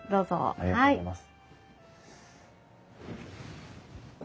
ありがとうございます。